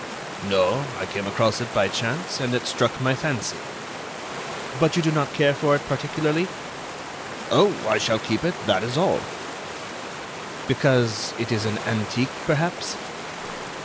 "No, I came across it by chance and it struck my fancy." "But you do not care for it particularly?" "Oh! I shall keep it—that is all." "Because it is an antique, perhaps?"